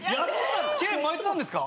チェーン巻いてたんですか